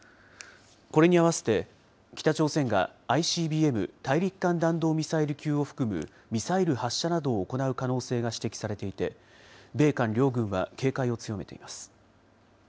これに合わせて、北朝鮮がＩＣＢＭ・大陸間弾道ミサイル級を含むミサイル発射などを行う可能性が指摘されていて、米韓両軍は警戒を強めています。